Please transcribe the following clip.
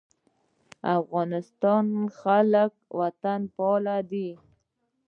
د افغانستان خلک وطنپال دي